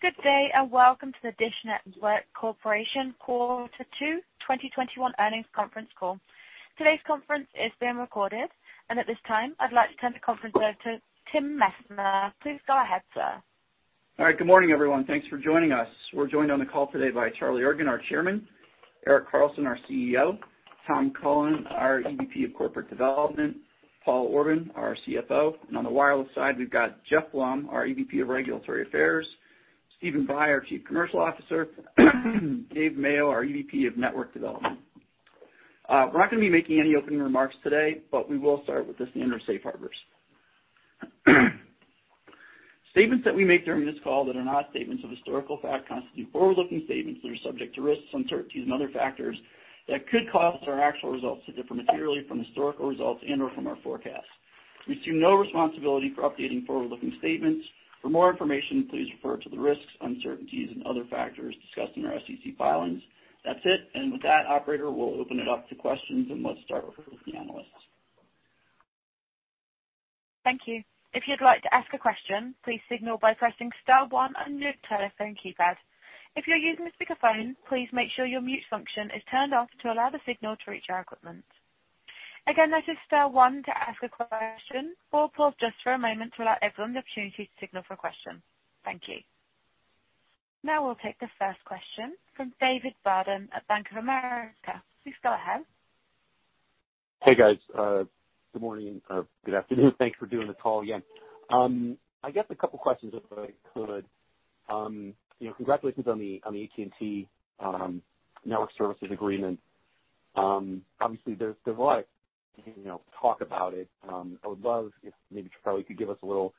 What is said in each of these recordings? Good day, welcome to the DISH Network Corporation Quarter Two 2021 Earnings Conference Call. Today's conference is being recorded. At this time, I'd like to turn the conference over to Tim Messner. Please go ahead, sir. All right. Good morning, everyone. Thanks for joining us. We're joined on the call today by Charlie Ergen, our chairman, Erik Carlson, our CEO, Tom Cullen, our EVP of Corporate Development, Paul Orban, our CFO, and on the wireless side, we've got Jeff Blum, our EVP of Regulatory Affairs, Stephen Bye, our Chief Commercial Officer, Dave Mayo, our EVP of Network Development. We're not going to be making any opening remarks today. We will start with the standard safe harbors. Statements that we make during this call that are not statements of historical fact constitute forward-looking statements that are subject to risks, uncertainties and other factors that could cause our actual results to differ materially from historical results and/or from our forecasts. We assume no responsibility for updating forward-looking statements. For more information, please refer to the risks, uncertainties, and other factors discussed in our SEC filings. That's it, and with that, operator, we'll open it up to questions, and let's start with the analysts. Thank you. If you would like to ask a question please signal by pressing star one on your telephone keypad. If you are using a speaker phone please make sure your mute option is turned off to allow the signal to reach our equipment. Again it's star one to ask a question. We will pause for a moment for us to make queue for the questions. Thank you. Now we'll take the first question from David Barden at Bank of America. Please go ahead. Hey, guys. Good morning or good afternoon. Thanks for doing the call again. I guess a couple questions if I could. Congratulations on the AT&T network services agreement. Obviously, there's a lot of talk about it. I would love if maybe Charlie could give us a little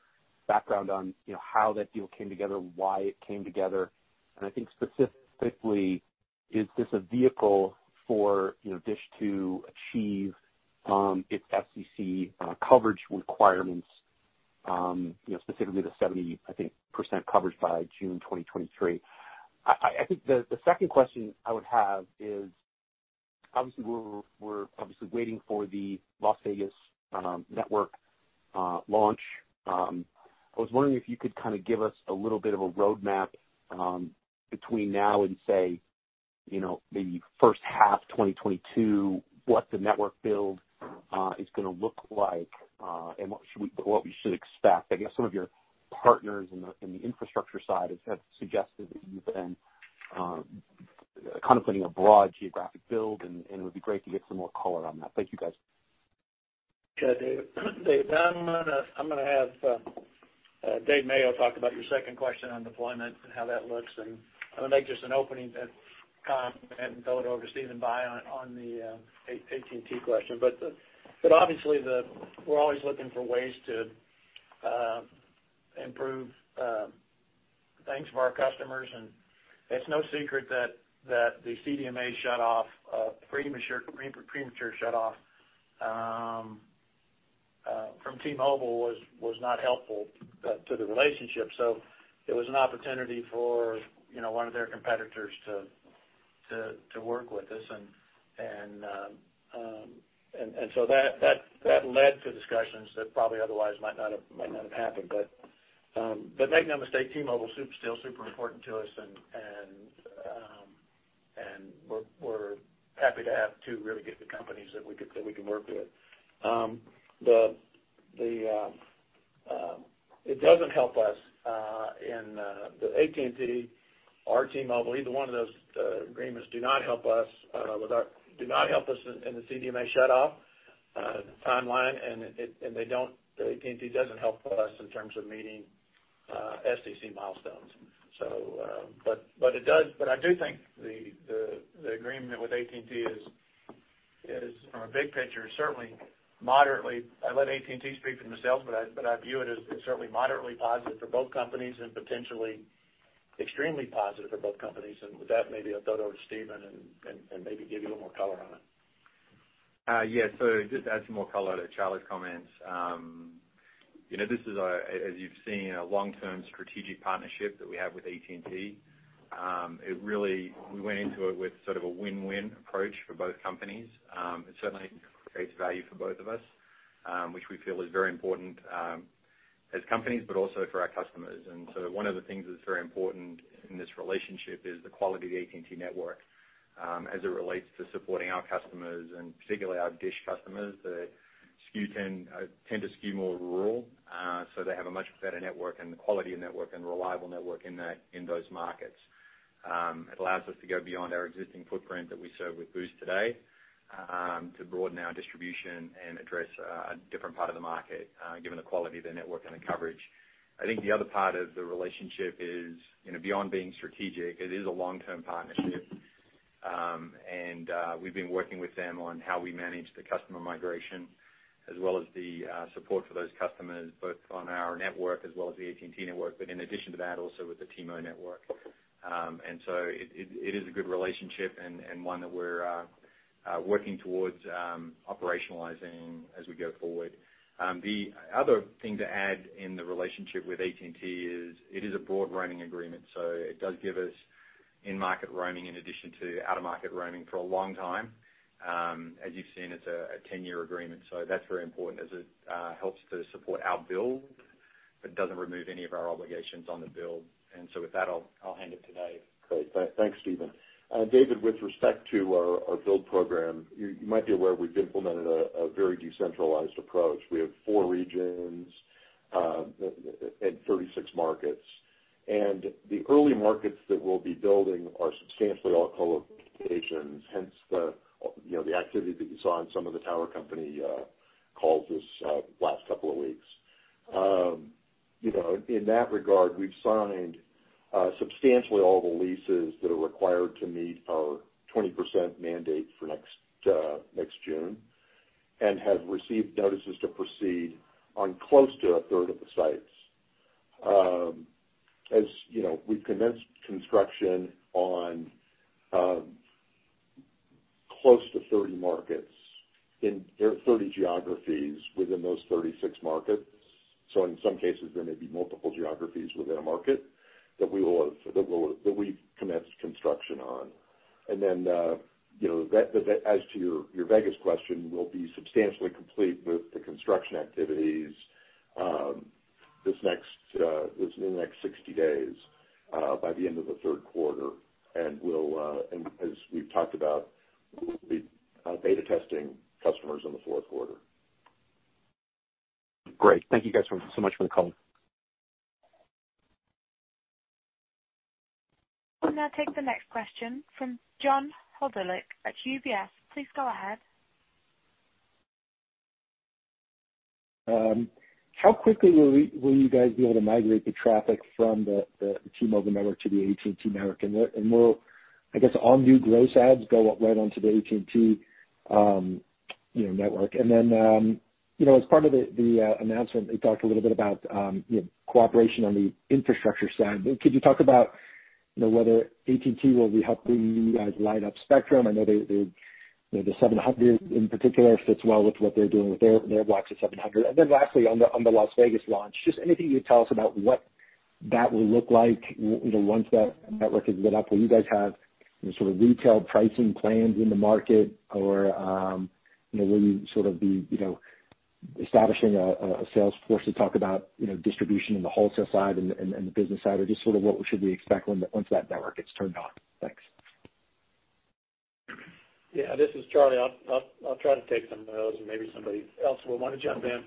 background on how that deal came together, why it came together, and I think specifically, is this a vehicle for DISH to achieve its FCC coverage requirements, specifically the 70%, I think, coverage by June 2023? I think the second question I would have is obviously we're waiting for the Las Vegas network launch. I was wondering if you could give us a little bit of a roadmap between now and, say, maybe first half 2022, what the network build is going to look like, and what we should expect. I guess some of your partners in the infrastructure side have suggested that you've been contemplating a broad geographic build, and it would be great to get some more color on that. Thank you, guys. Okay, David. Dave, I'm going to have Dave Mayo talk about your second question on deployment and how that looks, and I'm going to make just an opening comment and throw it over to Stephen Bye on the AT&T question. Obviously, we're always looking for ways to improve things for our customers, and it's no secret that the CDMA shut off, premature shut off from T-Mobile was not helpful to the relationship. It was an opportunity for one of their competitors to work with us. That led to discussions that probably otherwise might not have happened. Make no mistake, T-Mobile's still super important to us and we're happy to have two really good companies that we can work with. It doesn't help us in the AT&T or T-Mobile, either one of those agreements do not help us in the CDMA shut off timeline, and AT&T doesn't help us in terms of meeting FCC milestones. I do think the agreement with AT&T is, from a big picture, I let AT&T speak for themselves, but I view it as certainly moderately positive for both companies and potentially extremely positive for both companies. With that, maybe I'll throw it over to Stephen and maybe give you a little more color on it. Just to add some more color to Charlie's comments. This is, as you've seen, a long-term strategic partnership that we have with AT&T. We went into it with sort of a win-win approach for both companies. It certainly creates value for both of us, which we feel is very important as companies, but also for our customers. One of the things that's very important in this relationship is the quality of the AT&T network as it relates to supporting our customers, and particularly our DISH customers that tend to skew more rural. They have a much better network and the quality network and reliable network in those markets. It allows us to go beyond our existing footprint that we serve with Boost today to broaden our distribution and address a different part of the market, given the quality of their network and the coverage. I think the other part of the relationship is, beyond being strategic, it is a long-term partnership. We've been working with them on how we manage the customer migration as well as the support for those customers, both on our network as well as the AT&T network. In addition to that, also with the T-Mobile network. It is a good relationship and one that we're working towards operationalizing as we go forward. The other thing to add in the relationship with AT&T is it is a broad running agreement, so it does give us in-market roaming in addition to out-of-market roaming for a long time. As you've seen, it's a 10-year agreement, so that's very important as it helps to support our build but doesn't remove any of our obligations on the build. With that, I'll hand it to Dave. Great. Thanks, Stephen. David, with respect to our build program, you might be aware we've implemented a very decentralized approach. We have four regions and 36 markets. The early markets that we'll be building are substantially all co-locations, hence the activity that you saw on some of the tower company calls this last couple of weeks. In that regard, we've signed substantially all the leases that are required to meet our 20% mandate for next June and have received notices to proceed on close to a third of the sites. We've commenced construction on close to 30 markets in 30 geographies within those 36 markets. In some cases, there may be multiple geographies within a market that we've commenced construction on. As to your Vegas question, we'll be substantially complete with the construction activities within the next 60 days, by the end of the third quarter, and as we've talked about, we will be beta testing customers in the fourth quarter. Great. Thank you guys so much for the call. We'll now take the next question from John Hodulik at UBS. Please go ahead. How quickly will you guys be able to migrate the traffic from the T-Mobile network to the AT&T network? Will, I guess, all new gross adds go right onto the AT&T network? As part of the announcement, they talked a little bit about cooperation on the infrastructure side. Could you talk about whether AT&T will be helping you guys light up spectrum? I know the 700 in particular fits well with what they're doing with their blocks of 700. Lastly, on the Las Vegas launch, just anything you can tell us about what that will look like once that network is lit up? Will you guys have retail pricing plans in the market, or will you be establishing a sales force to talk about distribution in the wholesale side and the business side, or just what should we expect once that network gets turned on? Thanks. Yeah, this is Charlie. I'll try to take some of those and maybe somebody else will want to jump in.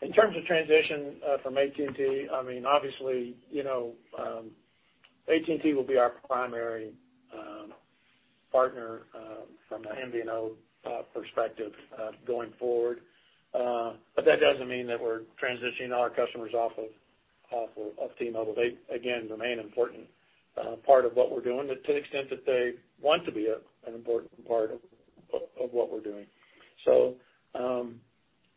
In terms of transition from AT&T, obviously, AT&T will be our primary partner from an MVNO perspective going forward. That doesn't mean that we're transitioning our customers off of T-Mobile. They, again, remain an important part of what we're doing to the extent that they want to be an important part of what we're doing.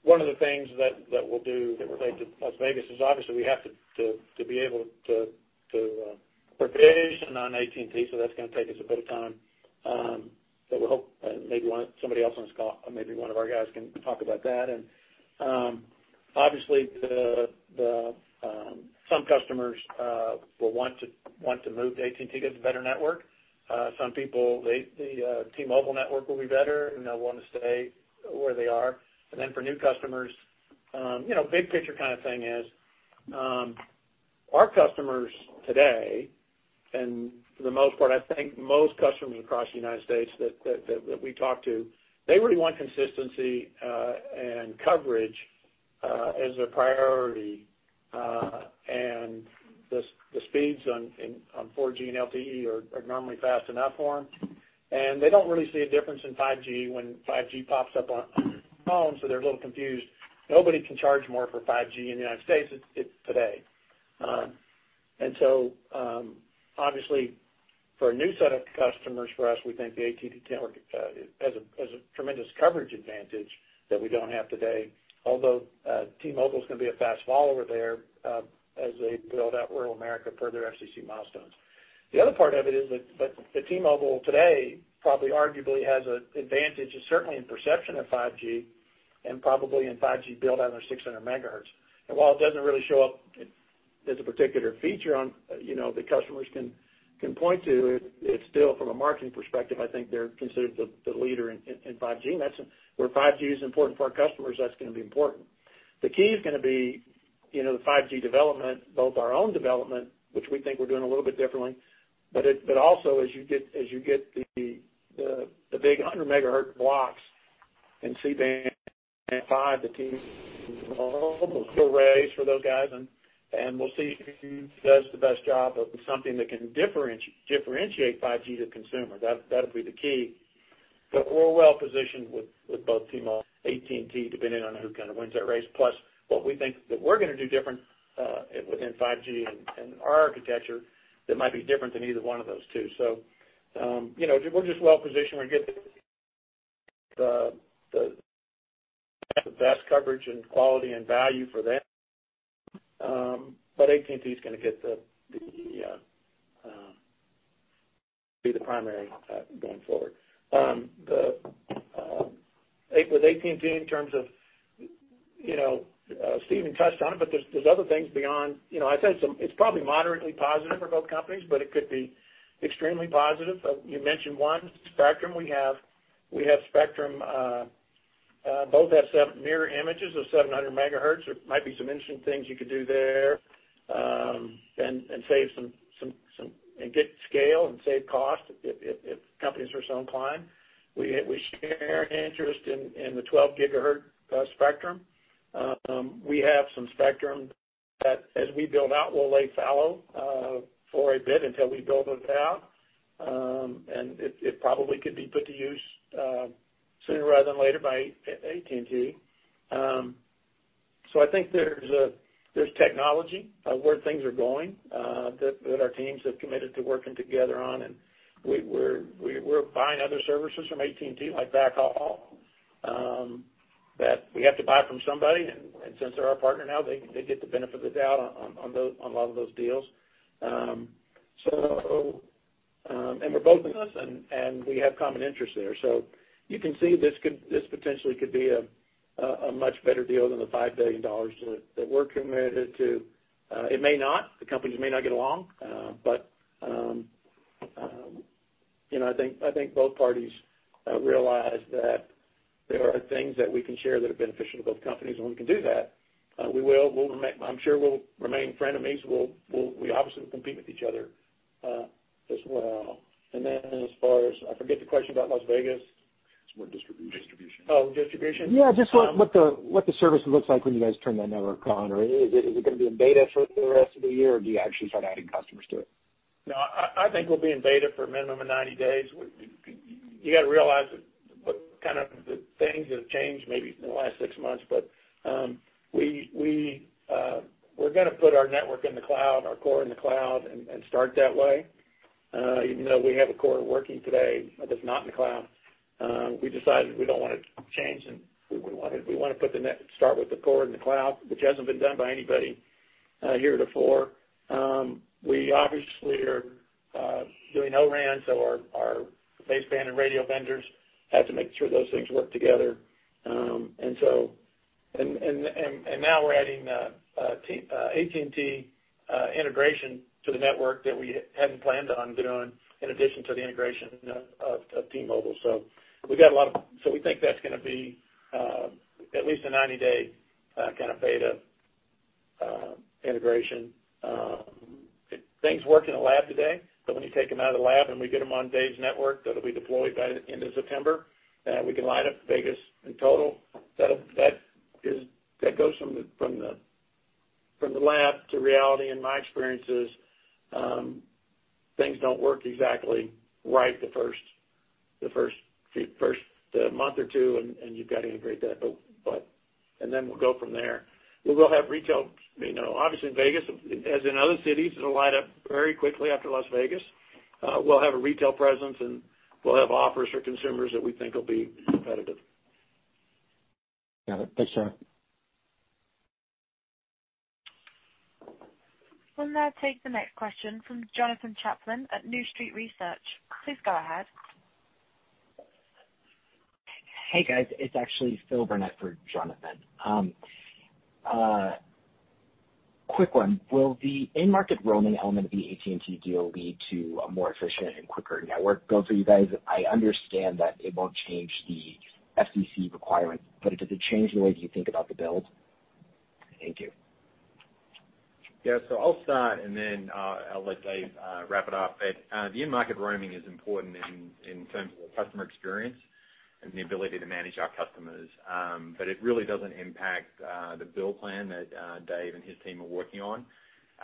One of the things that we'll do that relates to Las Vegas is obviously we have to be able to provision on AT&T, so that's going to take us a bit of time. We hope maybe somebody else on this call or maybe one of our guys can talk about that. Obviously some customers will want to move to AT&T to get the better network. Some people, the T-Mobile network will be better and they'll want to stay where they are. For new customers, big picture kind of thing is, our customers today, and for the most part, I think most customers across the U.S. that we talk to, they really want consistency and coverage as a priority. The speeds on 4G and LTE are normally fast enough for them, and they don't really see a difference in 5G when 5G pops up on their phone, so they're a little confused. Nobody can charge more for 5G in the U.S. today. Obviously for a new set of customers for us, we think the AT&T network has a tremendous coverage advantage that we don't have today, although T-Mobile is going to be a fast follower there as they build out rural America per their FCC milestones. The other part of it is that T-Mobile today probably arguably has an advantage, certainly in perception of 5G and probably in 5G build on their 600 MHz. While it doesn't really show up as a particular feature that customers can point to, it's still from a marketing perspective, I think they're considered the leader in 5G. Where 5G is important for our customers, that's going to be important. The key is going to be the 5G development, both our own development, which we think we're doing a little bit differently, but also as you get the big 100 MHz blocks in C-Band for T-Mobile, it's a race for those guys, and we'll see who does the best job of something that can differentiate 5G to consumers. That'll be the key. We're well positioned with both T-Mobile and AT&T, depending on who kind of wins that race, plus what we think that we're going to do different within 5G and our architecture that might be different than either one of those two. We're just well positioned. We get the best coverage and quality and value for that, but AT&T is going to be the primary going forward. With AT&T in terms of, Stephen touched on it, but there's other things beyond. I'd say it's probably moderately positive for both companies, but it could be extremely positive. You mentioned one, spectrum. We have spectrum, both have mirror images of 700 MHz. There might be some interesting things you could do there, and get scale and save cost if companies are so inclined. We share an interest in the 12 GHz spectrum. We have some spectrum that as we build out, will lay fallow for a bit until we build those out. It probably could be put to use sooner rather than later by AT&T. I think there's technology, where things are going, that our teams have committed to working together on, and we're buying other services from AT&T, like backhaul. That we have to buy from somebody, and since they're our partner now, they get to benefit the doubt on a lot of those deals. We're both in this, and we have common interests there. You can see this potentially could be a much better deal than the $5 billion that we're committed to. It may not. The companies may not get along. I think both parties realize that there are things that we can share that are beneficial to both companies, and we can do that. We will. I'm sure we'll remain frenemies. We obviously will compete with each other as well. As far as, I forget the question about Las Vegas. It's more distribution. Oh, distribution? Just what the service looks like when you guys turn that network on, or is it going to be in beta for the rest of the year, or do you actually start adding customers to it? I think we'll be in beta for a minimum of 90 days. You got to realize that kind of the things have changed maybe in the last six months, but we're going to put our network in the cloud, our core in the cloud and start that way. Even though we have a core working today that is not in the cloud, we decided we don't want to change, and we want to start with the core in the cloud, which hasn't been done by anybody here before. We obviously are doing O-RAN, so our baseband and radio vendors have to make sure those things work together. Now we're adding AT&T integration to the network that we hadn't planned on doing, in addition to the integration of T-Mobile. We think that's going to be at least a 90-day kind of beta integration. Things work in the lab today. When you take them out of the lab and we get them on Dave's network that'll be deployed by the end of September, we can light up Vegas in total. That goes from the lab to reality. My experience is things don't work exactly right the first month or two, and you've got to integrate that. We'll go from there. We will have retail, obviously in Vegas, as in other cities, it'll light up very quickly after Las Vegas. We'll have a retail presence, and we'll have offers for consumers that we think will be competitive. Got it. Thanks, Charlie. We'll now take the next question from Jonathan Chaplin at New Street Research. Please go ahead. Hey, guys. It's actually Phil Burnett for Jonathan Chaplin. Quick one. Will the in-market roaming element of the AT&T deal lead to a more efficient and quicker network build for you guys? I understand that it won't change the FCC requirements, but does it change the way you think about the build? Thank you. Yeah. I'll start, and then I'll let Dave wrap it up. The in-market roaming is important in terms of the customer experience and the ability to manage our customers. It really doesn't impact the bill plan that Dave and his team are working on.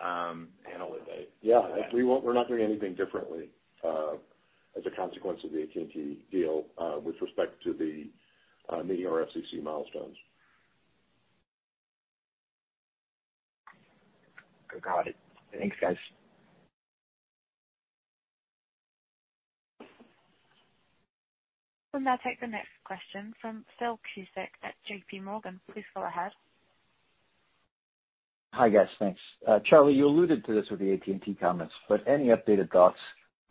I'll let Dave add to that. Yeah. We're not doing anything differently as a consequence of the AT&T deal with respect to meeting our FCC milestones. Got it. Thanks, guys. We'll now take the next question from Phil Cusick at JPMorgan. Please go ahead. Hi, guys. Thanks. Charlie, you alluded to this with the AT&T comments, but any updated thoughts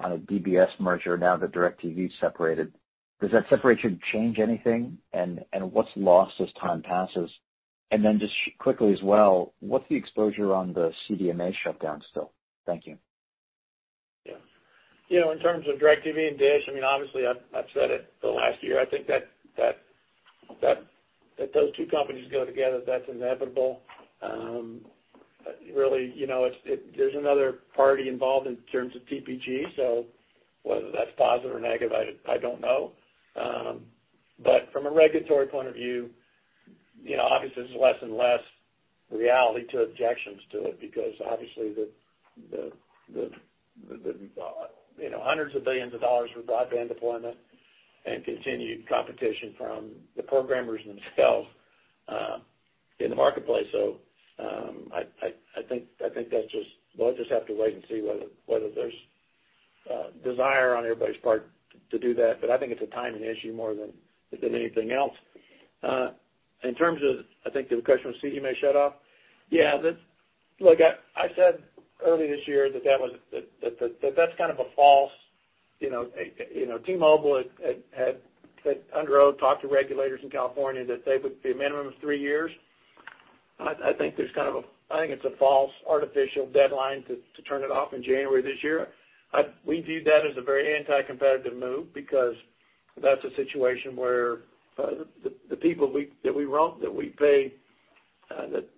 on a DBS merger now that DIRECTV's separated? Does that separation change anything, and what's lost as time passes? Just quickly as well, what's the exposure on the CDMA shutdown still? Thank you. Yeah. In terms of DIRECTV and DISH, obviously I've said it the last year, I think that those two companies go together, that's inevitable. Really, there's another party involved in terms of TPG, whether that's positive or negative, I don't know. From a regulatory point of view, obviously, this is less and less reality to objections to it because obviously the hundreds of billions of dollars for broadband deployment and continued competition from the programmers themselves in the marketplace. I think we'll just have to wait and see whether there's desire on everybody's part to do that. I think it's a timing issue more than anything else. In terms of, I think the other question was CDMA shut off? Look, I said early this year that that's kind of a false. T-Mobile had under oath talked to regulators in California that they would be a minimum of three years. I think it's a false, artificial deadline to turn it off in January this year. We view that as a very anti-competitive move because that's a situation where the people that we roam, that we pay,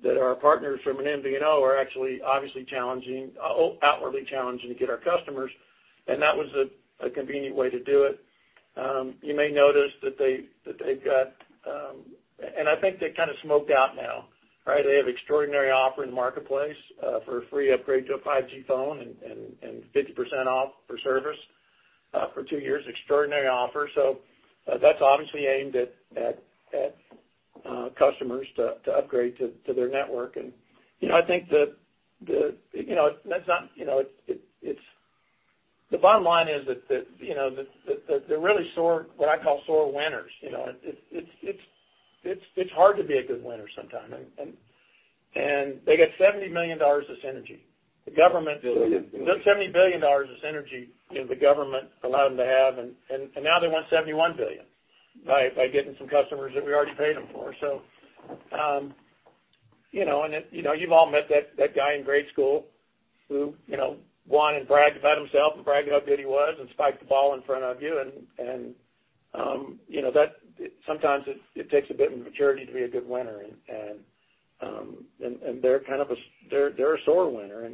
that are our partners from an MVNO are actually obviously outwardly challenging to get our customers, and that was a convenient way to do it. You may notice that they've got, and I think they're kind of smoked out now, right? They have extraordinary offer in the marketplace for a free upgrade to a 5G phone and 50% off for service for two years. Extraordinary offer. That's obviously aimed at customers to upgrade to their network. I think the bottom line is that they're really what I call sore winners. It's hard to be a good winner sometimes. They get $70 million of synergy. $70 billion of synergy the government allowed them to have. Now they want $71 billion by getting some customers that we already paid them for. You've all met that guy in grade school who won and bragged about himself and bragged about how good he was and spiked the ball in front of you. Sometimes it takes a bit of maturity to be a good winner. They're a sore winner.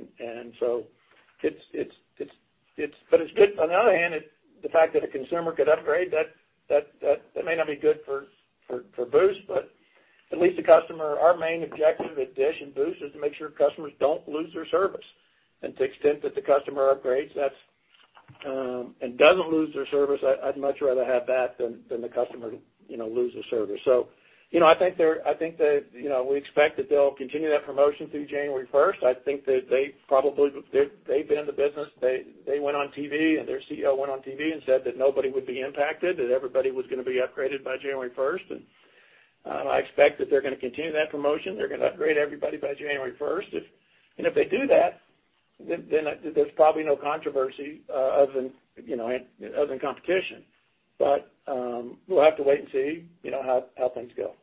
It's good. On the other hand, the fact that a consumer could upgrade, that may not be good for Boost. At least our main objective at DISH and Boost is to make sure customers don't lose their service. To the extent that the customer upgrades and doesn't lose their service, I'd much rather have that than the customer lose their service. We expect that they'll continue that promotion through January 1st. I think that they've been in the business. They went on TV, their CEO went on TV and said that nobody would be impacted, that everybody was going to be upgraded by January 1st. I expect that they're going to continue that promotion. They're going to upgrade everybody by January 1st. If they do that, there's probably no controversy other than competition. We'll have to wait and see how things go.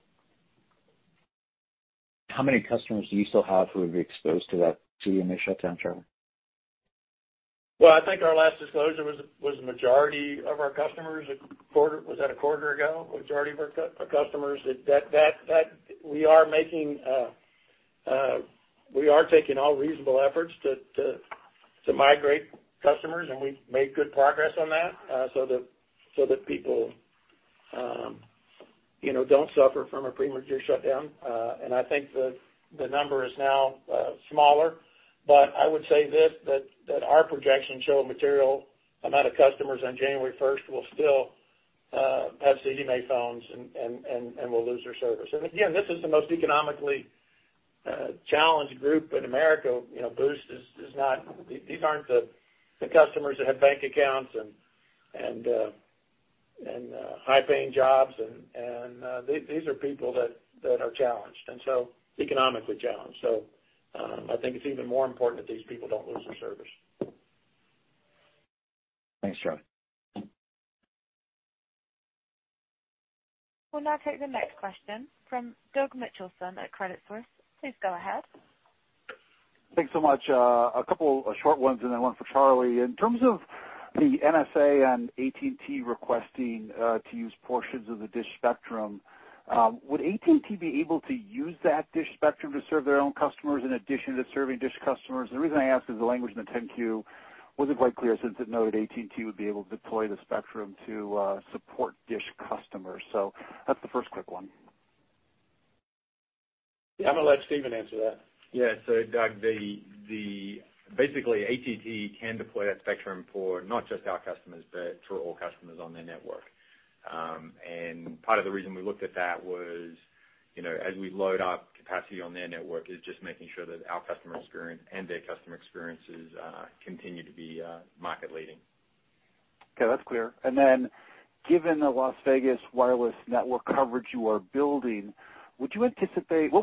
How many customers do you still have who would be exposed to that CDMA shutdown, Charlie? Well, I think our last disclosure was the majority of our customers. Was that a quarter ago? Majority of our customers that we are taking all reasonable efforts to migrate customers, and we've made good progress on that so that people don't suffer from a premature shutdown. I think the number is now smaller. I would say this, that our projections show a material amount of customers on January 1st will still have CDMA phones and will lose their service. Again, this is the most economically challenged group in America. Boost, these aren't the customers that have bank accounts and high-paying jobs. These are people that are challenged, and so economically challenged. I think it's even more important that these people don't lose their service. Thanks, Charlie. We'll now take the next question from Doug Mitchelson at Credit Suisse. Please go ahead. Thanks so much. A couple of short ones and then one for Charlie. In terms of the NSA and AT&T requesting to use portions of the DISH spectrum, would AT&T be able to use that DISH spectrum to serve their own customers in addition to serving DISH customers? The reason I ask is the language in the 10-Q wasn't quite clear, since it noted AT&T would be able to deploy the spectrum to support DISH customers. That's the first quick one. I'm going to let Stephen answer that. Doug, basically, AT&T can deploy that spectrum for not just our customers, but for all customers on their network. Part of the reason we looked at that was as we load up capacity on their network, is just making sure that our customer experience and their customer experiences continue to be market leading. Okay. That's clear. Given the Las Vegas wireless network coverage you are building, what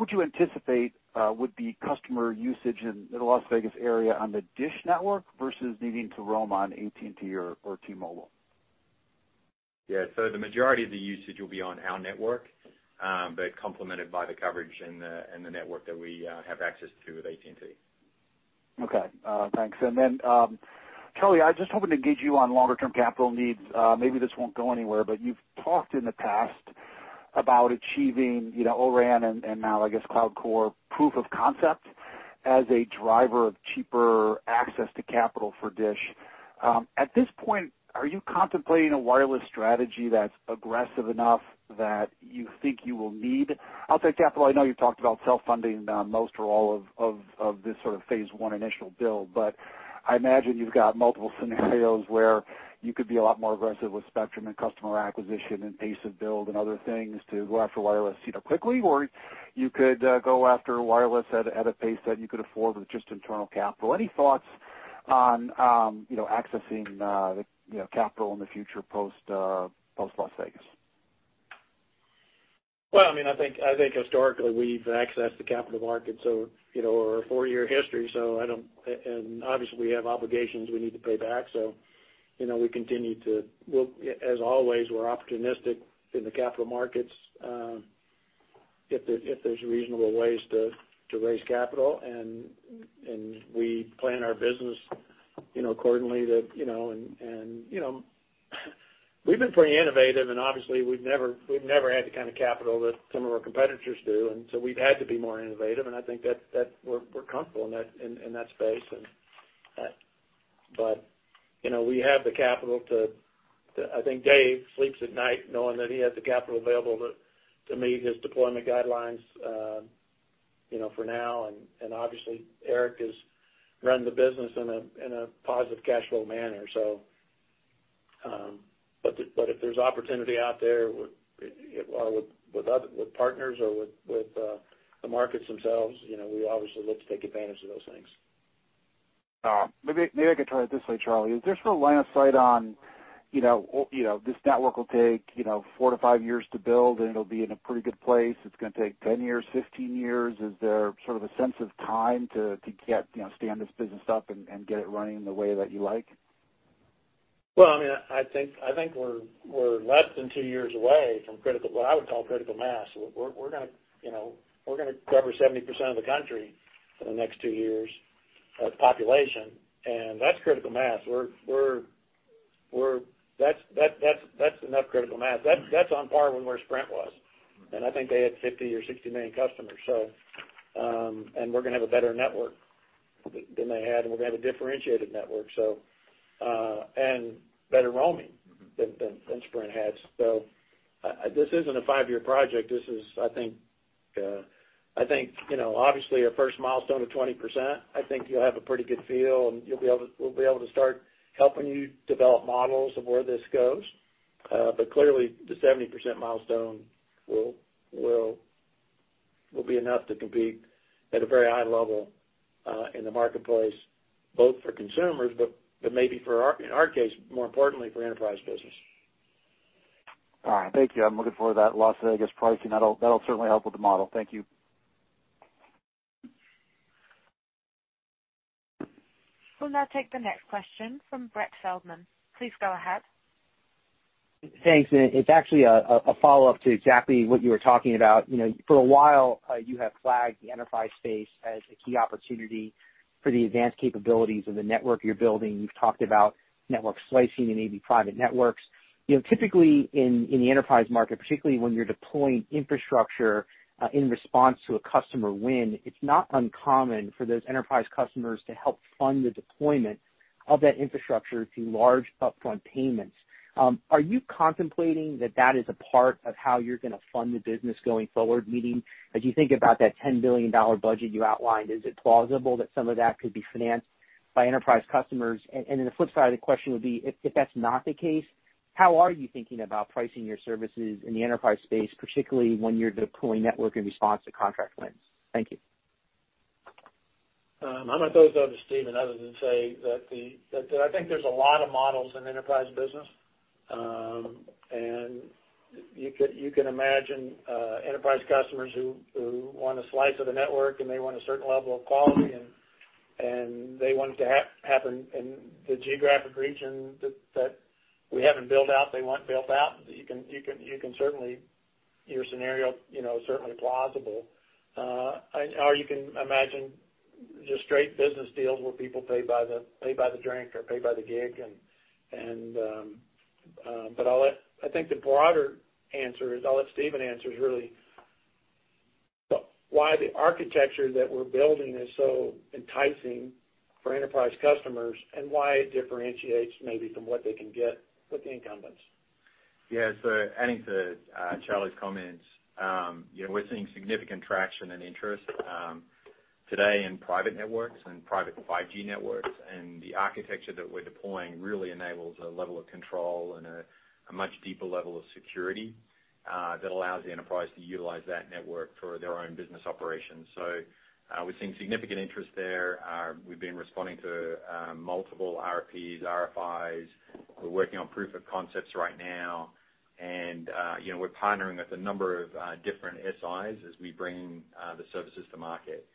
would you anticipate would be customer usage in the Las Vegas area on the DISH Network versus needing to roam on AT&T or T-Mobile? Yeah. The majority of the usage will be on our network, but complemented by the coverage and the network that we have access to with AT&T. Okay. Thanks. Charlie, I was just hoping to gauge you on longer-term capital needs. Maybe this won't go anywhere. You've talked in the past about achieving O-RAN and now, I guess, cloud core proof of concept as a driver of cheaper access to capital for DISH. At this point, are you contemplating a wireless strategy that's aggressive enough that you think you will need outside capital? I know you've talked about self-funding most or all of this sort of phase one initial build. I imagine you've got multiple scenarios where you could be a lot more aggressive with spectrum and customer acquisition and pace of build and other things to go after wireless either quickly or you could go after wireless at a pace that you could afford with just internal capital. Any thoughts on accessing capital in the future post Las Vegas? Well, I think historically, we've accessed the capital markets, so our four year history, and obviously we have obligations we need to pay back. As always, we're opportunistic in the capital markets if there's reasonable ways to raise capital, and we plan our business accordingly. We've been pretty innovative, and obviously, we've never had the kind of capital that some of our competitors do, and so we've had to be more innovative, and I think that we're comfortable in that space. We have the capital. I think Dave Mayo sleeps at night knowing that he has the capital available to meet his deployment guidelines for now. Obviously, Erik Carlson has run the business in a positive cash flow manner. If there's opportunity out there with partners or with the markets themselves, we obviously look to take advantage of those things. All right. Maybe I could try it this way, Charlie. Is there sort of line of sight on this network will take four to five years to build, and it'll be in a pretty good place. It's going to take 10 years, 15 years. Is there sort of a sense of time to get this business up and get it running the way that you like? Well, I think we're less than two years away from what I would call critical mass. We're going to cover 70% of the country for the next two years of population, that's critical mass. That's enough critical mass. That's on par with where Sprint was, I think they had 50 or 60 million customers. We're going to have a better network than they had, we're going to have a differentiated network, better roaming than Sprint had. This isn't a five-year project. Obviously, our first milestone of 20%, I think you'll have a pretty good feel, we'll be able to start helping you develop models of where this goes. Clearly, the 70% milestone will be enough to compete at a very high level in the marketplace, both for consumers, maybe in our case, more importantly, for enterprise business. All right. Thank you. I'm looking forward to that Las Vegas pricing. That'll certainly help with the model. Thank you. We'll now take the next question from Brett Feldman. Please go ahead. Thanks. It's actually a follow-up to exactly what you were talking about. For a while, you have flagged the enterprise space as a key opportunity for the advanced capabilities of the network you're building. You've talked about network slicing and AV private networks. Typically, in the enterprise market, particularly when you're deploying infrastructure in response to a customer win, it's not uncommon for those enterprise customers to help fund the deployment of that infrastructure through large upfront payments. Are you contemplating that that is a part of how you're going to fund the business going forward? Meaning, as you think about that $10 billion budget you outlined, is it plausible that some of that could be financed by enterprise customers? The flip side of the question would be, if that's not the case, how are you thinking about pricing your services in the enterprise space, particularly when you're deploying network in response to contract wins? Thank you. I'm going to throw that to Stephen other than say that I think there's a lot of models in enterprise business. You can imagine enterprise customers who want a slice of the network and they want a certain level of quality, and they want it to happen in the geographic region that we haven't built out, they want built out. Your scenario is certainly plausible. You can imagine just straight business deals where people pay by the drink or pay by the gig. I think the broader answer is, I'll let Stephen answer, is really why the architecture that we're building is so enticing for enterprise customers and why it differentiates maybe from what they can get with the incumbents. Yeah. Adding to Charlie's comments, we're seeing significant traction and interest today in private networks and private 5G networks. The architecture that we're deploying really enables a level of control and a much deeper level of security that allows the enterprise to utilize that network for their own business operations. We're seeing significant interest there. We've been responding to multiple RFPs, RFIs. We're working on proof of concepts right now. We're partnering with a number of different SIs as we bring the services to market.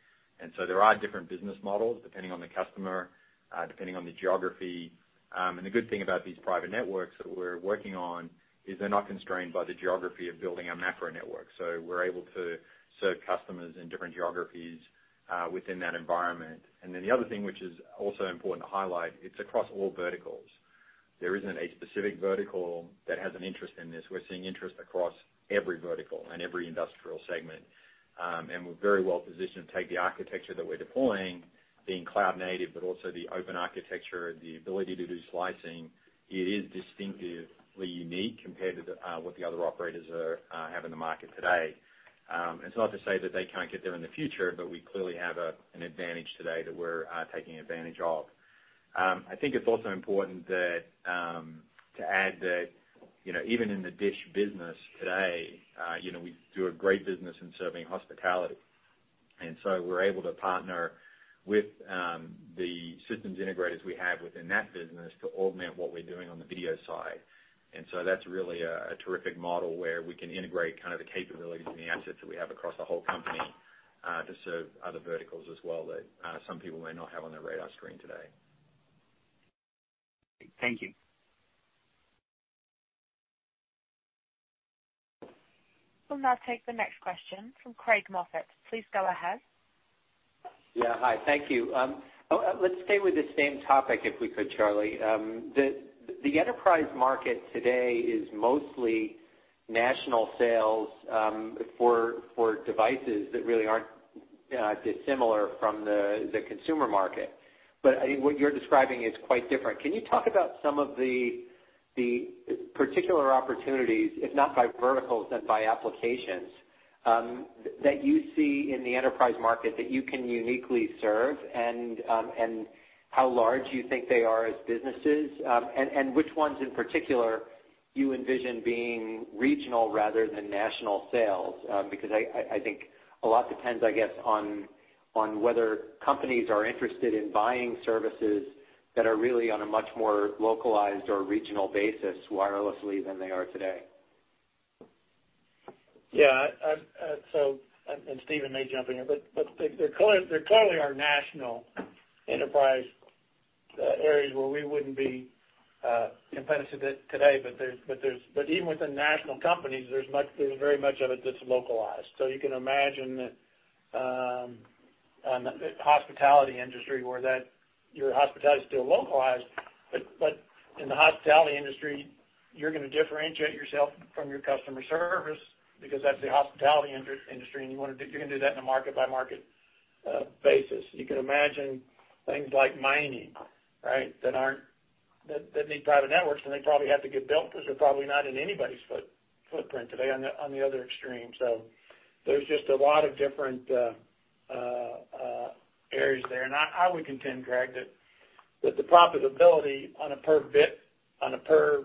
There are different business models depending on the customer, depending on the geography. The good thing about these private networks that we're working on is they're not constrained by the geography of building a macro network. We're able to serve customers in different geographies within that environment. The other thing which is also important to highlight, it's across all verticals. There isn't a specific vertical that has an interest in this. We're seeing interest across every vertical and every industrial segment. We're very well positioned to take the architecture that we're deploying, being cloud native, but also the open architecture, the ability to do slicing. It is distinctively unique compared to what the other operators have in the market today. It's not to say that they can't get there in the future, we clearly have an advantage today that we're taking advantage of. I think it's also important to add that even in the DISH business today, we do a great business in serving hospitality and so we're able to partner with the systems integrators we have within that business to augment what we're doing on the video side. That's really a terrific model where we can integrate kind of the capabilities and the assets that we have across the whole company, to serve other verticals as well that some people may not have on their radar screen today. Thank you. We'll now take the next question from Craig Moffett. Please go ahead. Yeah. Hi. Thank you. Let's stay with the same topic if we could, Charlie. The enterprise market today is mostly national sales, for devices that really aren't dissimilar from the consumer market. What you're describing is quite different. Can you talk about some of the particular opportunities, if not by verticals, then by applications, that you see in the enterprise market that you can uniquely serve and how large you think they are as businesses? Which ones in particular you envision being regional rather than national sales? I think a lot depends, I guess, on whether companies are interested in buying services that are really on a much more localized or regional basis wirelessly than they are today. Yeah. Stephen may jump in here, but there clearly are national enterprise areas where we wouldn't be competitive today. Even within national companies, there's very much of it that's localized. You can imagine that on the hospitality industry where your hospitality is still localized, but in the hospitality industry, you're going to differentiate yourself from your customer service because that's the hospitality industry, and you're going to do that in a market-by-market basis. You could imagine things like mining that need private networks, and they probably have to get built because they're probably not in anybody's footprint today on the other extreme. There's just a lot of different areas there. I would contend, Craig, that the profitability on a per bit, on a per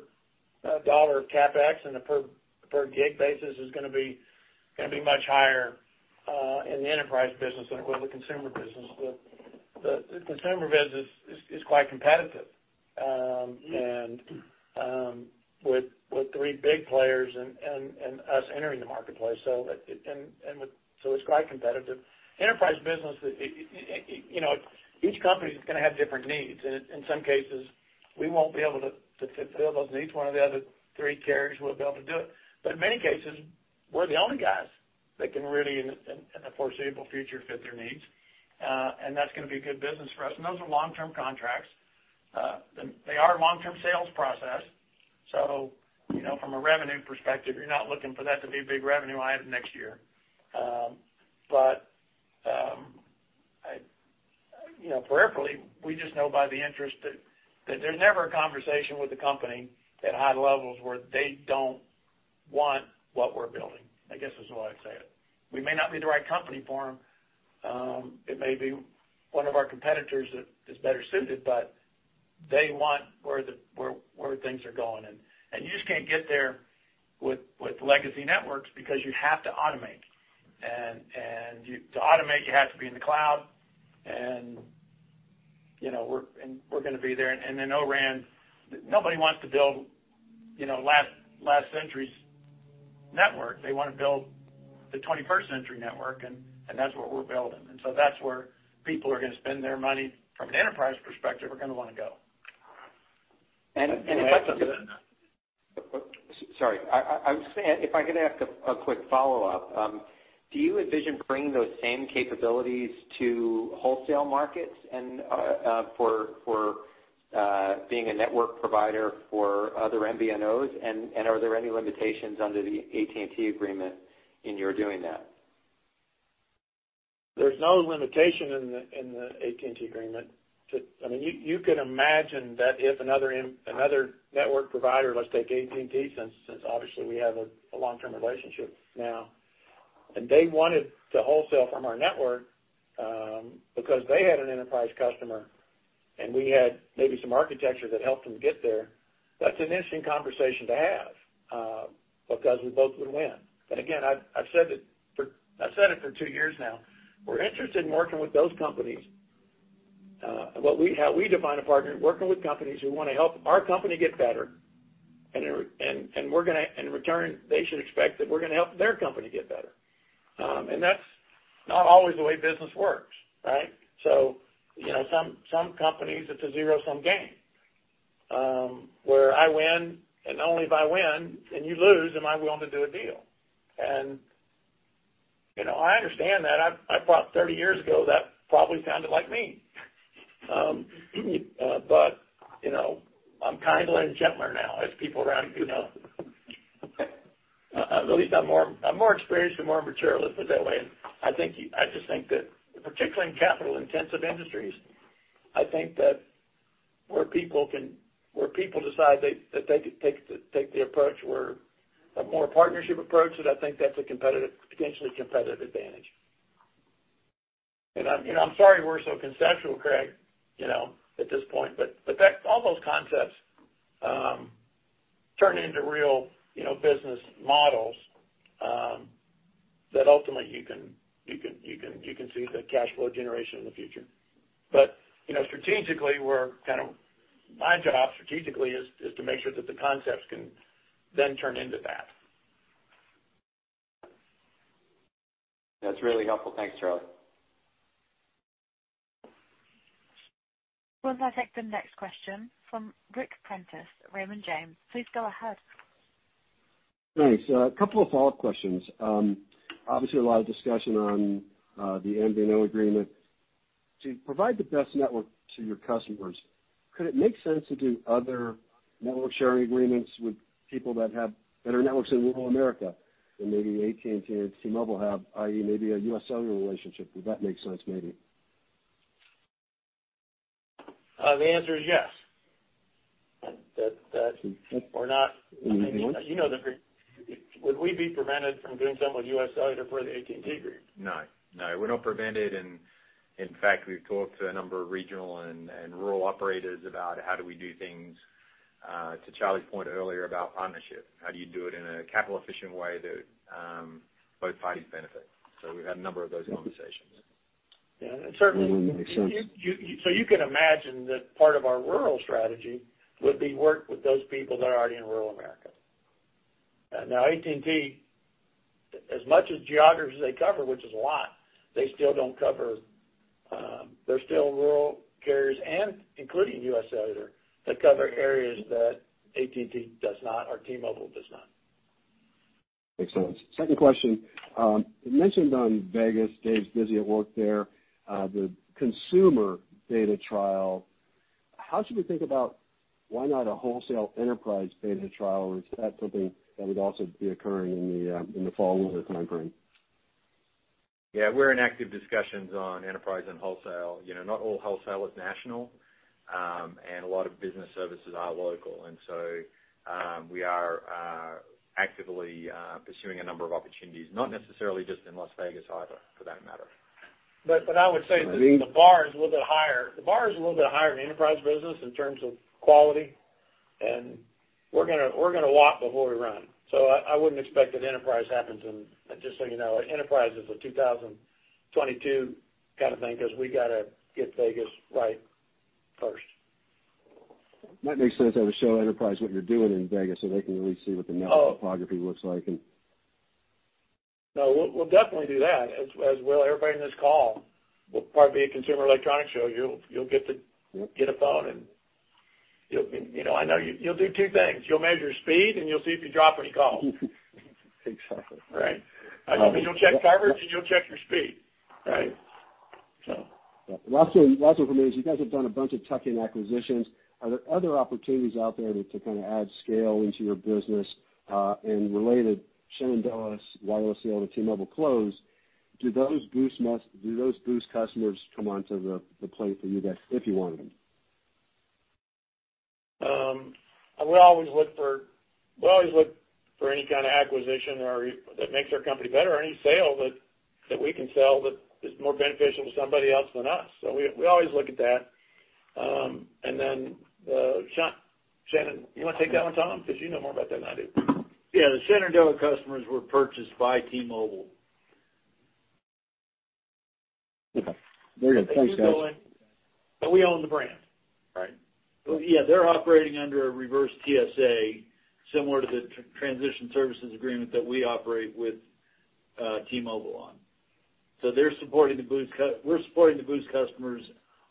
dollar of CapEx, and a per gig basis is going to be much higher, in the enterprise business than it would the consumer business. The consumer business is quite competitive, and with three big players and us entering the marketplace. It's quite competitive. Enterprise business, each company is going to have different needs, and in some cases, we won't be able to fulfill those needs. One of the other three carriers will be able to do it. In many cases, we're the only guys that can really, in the foreseeable future, fit their needs. That's going to be a good business for us. Those are long-term contracts. They are a long-term sales process. From a revenue perspective, you're not looking for that to be a big revenue item next year. Peripherally, we just know by the interest that there's never a conversation with a company at high levels where they don't want what we're building, I guess, is the way I'd say it. We may not be the right company for them. It may be one of our competitors that is better suited, but they want where things are going. You just can't get there with legacy networks because you'd have to automate. To automate, you have to be in the cloud, and we're going to be there. O-RAN, nobody wants to build last century's network. They want to build the 21st century network, and that's what we're building. That's where people are going to spend their money from an enterprise perspective, are going to want to go. And- The access is in there. Sorry. I was going to say, if I could ask a quick follow-up. Do you envision bringing those same capabilities to wholesale markets and for being a network provider for other MVNOs? Are there any limitations under the AT&T agreement in your doing that? There's no limitation in the AT&T agreement. You could imagine that if another network provider, let's take AT&T since obviously we have a long-term relationship now, and they wanted to wholesale from our network because they had an enterprise customer, and we had maybe some architecture that helped them get there, that's an interesting conversation to have, because we both would win. Again, I've said it for two years now, we're interested in working with those companies. We define a partner, working with companies who want to help our company get better, and in return, they should expect that we're going to help their company get better. That's not always the way business works, right? Some companies, it's a zero-sum game, where I win and only if I win and you lose, am I willing to do a deal. I understand that. I thought 30 years ago, that probably sounded like me. I'm kinder and gentler now, as people around me know. At least I'm more experienced and more mature, let's put it that way. I just think that particularly in capital-intensive industries, I think that where people decide that they could take the approach where a more partnership approach is, I think that's a potentially competitive advantage. I'm sorry we're so conceptual, Craig, at this point, all those concepts turn it into real business models that ultimately you can see the cash flow generation in the future. My job strategically is to make sure that the concepts can then turn into that. That's really helpful. Thanks, Charlie. We'll now take the next question from Ric Prentiss, Raymond James. Please go ahead. Thanks. A couple of follow-up questions. Obviously, a lot of discussion on the MVNO agreement. To provide the best network to your customers, could it make sense to do other network sharing agreements with people that have better networks in rural America than maybe AT&T and T-Mobile have, i.e., maybe a US Cellular relationship? Would that make sense maybe? The answer is yes. Okay. Would we be prevented from doing something with US Cellular per the AT&T agreement? No. We're not prevented, in fact, we've talked to a number of regional and rural operators about how do we do things, to Charlie's point earlier, about partnership. How do you do it in a capital efficient way that both parties benefit? We've had a number of those conversations. Yeah. That certainly makes sense. You can imagine that part of our rural strategy would be work with those people that are already in rural America. AT&T, as much as geography as they cover, which is a lot, there are still rural carriers and including US Cellular, that cover areas that AT&T does not, or T-Mobile does not. Makes sense. Second question. You mentioned on Vegas, Dave's busy at work there. The consumer data trial, how should we think about why not a wholesale enterprise data trial? Is that something that would also be occurring in the fall, winter timeframe? We're in active discussions on enterprise and wholesale. Not all wholesale is national, and a lot of business services are local. We are actively pursuing a number of opportunities, not necessarily just in Las Vegas either, for that matter. I would say the bar is a little bit higher in the enterprise business in terms of quality, and we're going to walk before we run. I wouldn't expect that enterprise happens in, just so you know, enterprise is a 2022 kind of thing because we got to get Vegas right first. That makes sense. I would show enterprise what you're doing in Vegas so they can really see what the network topography looks like. We'll definitely do that, as will everybody in this call. We'll probably be at Consumer Electronics Show. You'll get a phone and I know you'll do two things. You'll measure speed, and you'll see if you drop any calls. Exactly. Right? You'll check coverage, and you'll check your speed. Right? Last one from me is you guys have done a bunch of tuck-in acquisitions. Are there other opportunities out there to add scale into your business? Related, Shenandoah's wireless sale to T-Mobile closed. Do those Boost customers come onto the plate for you guys if you want them? We always look for any kind of acquisition that makes our company better, or any sale that we can sell that is more beneficial to somebody else than us. We always look at that. Shenandoah you want to take that one, Tom? Because you know more about that than I do. Yeah. The Shenandoah customers were purchased by T-Mobile. Okay. Very good. Thanks, guys. We own the brand, right? Yeah, they're operating under a reverse TSA, similar to the transition services agreement that we operate with T-Mobile on. We're supporting the Boost customers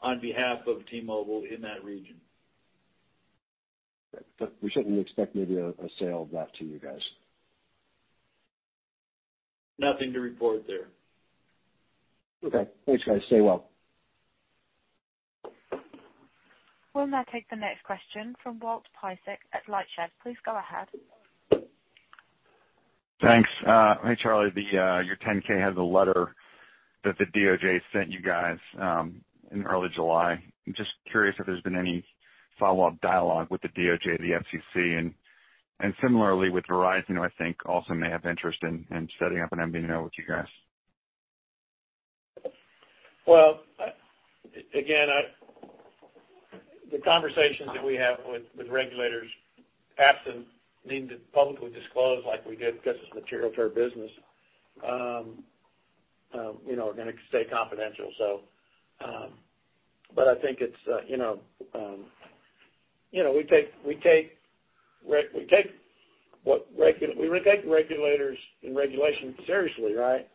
on behalf of T-Mobile in that region. We certainly expect maybe a sale of that to you guys. Nothing to report there. Okay. Thanks, guys. Stay well. We'll now take the next question from Walt Piecyk at LightShed. Please go ahead. Thanks. Hey, Charlie. Your 10K has a letter that the DOJ sent you guys in early July. I'm just curious if there's been any follow-up dialogue with the DOJ, the FCC, and similarly with Verizon, who I think also may have interest in setting up an MVNO with you guys? Again, the conversations that we have with regulators, absent needing to publicly disclose like we did because it's material to our business, are going to stay confidential. I think we take regulators and regulation seriously, right?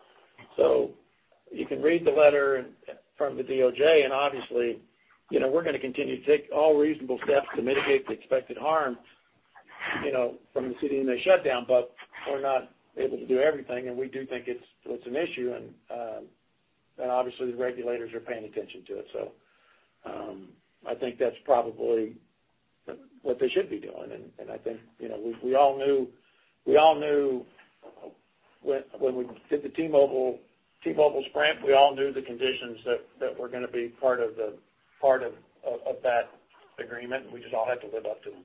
You can read the letter from the DOJ and obviously, we're going to continue to take all reasonable steps to mitigate the expected harm from the CDMA shutdown. We're not able to do everything, and we do think it's an issue, and obviously, the regulators are paying attention to it. I think that's probably what they should be doing, and I think we all knew when we did the T-Mobile/Sprint, we all knew the conditions that were going to be part of that agreement, and we just all had to live up to them.